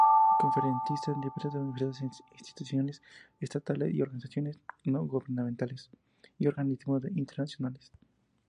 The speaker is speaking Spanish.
Conferencista en diversas universidades, instituciones estatales y organizaciones no gubernamentales y organismos internacionales.